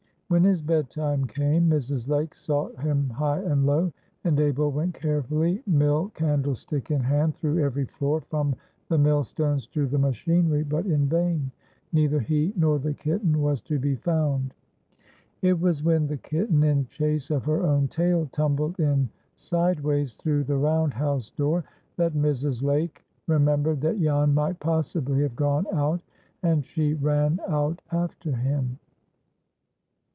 When his bed time came, Mrs. Lake sought him high and low, and Abel went carefully, mill candlestick in hand, through every floor, from the millstones to the machinery, but in vain. Neither he nor the kitten was to be found. It was when the kitten, in chase of her own tail, tumbled in sideways through the round house door, that Mrs. Lake remembered that Jan might possibly have gone out, and she ran out after him.